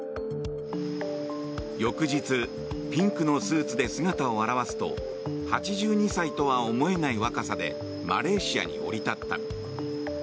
翌日ピンクのスーツで姿を現すと８２歳とは思えない若さでマレーシアに降り立った。